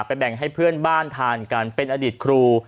แบ่งให้เพื่อนบ้านทานกันเป็นอดีตครู